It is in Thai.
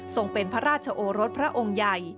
เป็นพระราชโอรสพระองค์ใหญ่